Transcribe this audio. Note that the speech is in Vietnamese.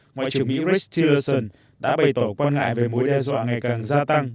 ngoại trưởng mỹ rex tillerson đã bày tỏ quan ngại về mối đe dọa ngày càng gia tăng